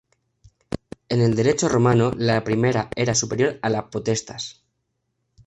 En el derecho romano la primera era superior a la "potestas".